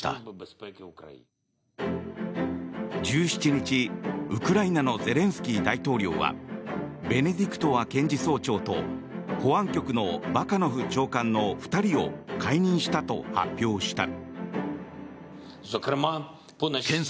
１７日、ウクライナのゼレンスキー大統領はベネディクトワ検事総長と保安局のバカノフ長官の２人を解任したと発表した。